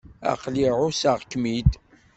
Aql-i ɛusseɣ-kem-id.